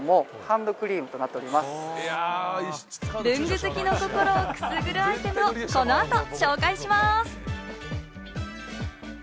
文具好きの心をくすぐるアイテムをこの後、紹介します。